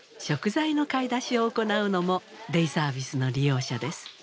食材の買い出しを行うのもデイサービスの利用者です。